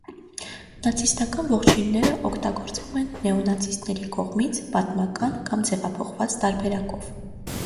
Նացիստական ողջույնները օգտագործվում են նեոնացիստների կողմից՝ պատմական կամ ձևափոխված տարբերակով։